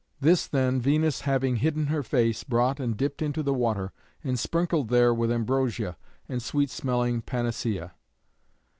This, then, Venus, having hidden her face, brought and dipped into the water, and sprinkled there with ambrosia and sweet smelling panacea.